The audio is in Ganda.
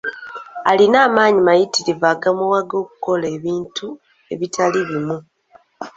Alina amaanyi mayitririvu agamuwaga okukola ebintu ebitali bimu.